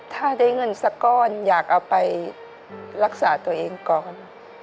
ถ้าได้เงินสักก้อนอยากเอาไปรักษาตัวเองก่อน